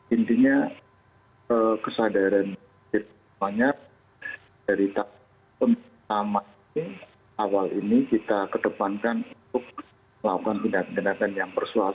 intinya kesadaran banyak dari tahun awal ini kita kedepankan untuk melakukan tindakan tindakan yang bersuara